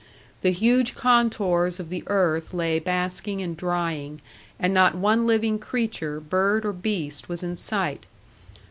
The huge contours of the earth lay basking and drying, and not one living creature, bird or beast, was in sight.